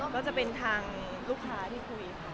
ก็จะเป็นทางลูกค้าที่คุยค่ะ